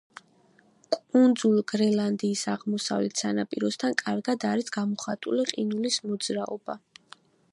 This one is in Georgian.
კუნძულ გრენლანდიის აღმოსავლეთ სანაპიროსთან კარგად არის გამოხატული ყინულის მოძრაობა.